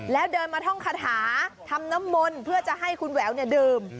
แล้วเดินมาท่องคาถาทำน้ำมนต์เพื่อจะให้คุณแหววดื่ม